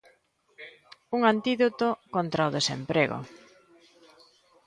Un antídoto contra o desemprego?